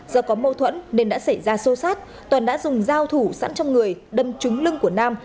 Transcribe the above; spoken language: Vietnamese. do có mâu thuẫn nên đã xảy ra xô xát toàn đã dùng dao thủ sẵn trong người đâm trúng lưng của nam